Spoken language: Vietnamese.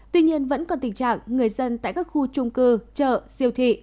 tuy nhiên vẫn còn tình trạng người dân tại các khu trung cư chợ siêu thị